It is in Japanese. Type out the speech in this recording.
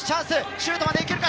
シュートまでいけるか。